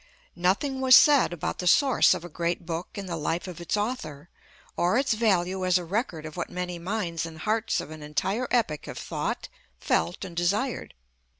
Nothing was said about the source of a great book in the life of its author, or its value as a record of what many minds and hearts of an entire epoch have thought, felt and desired.